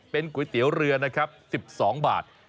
เป็นก๋วยเตี๋ยวเรือนะครับ๑๒บาท